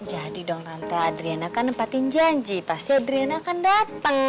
jadi dong tante andriana kan nempatin janji pasti andriana akan dateng